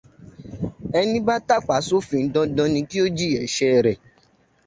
Ẹní bá tàpa sí òfin dandan ni kí ó jìyà ẹ̀ṣẹ̀ rẹ̀.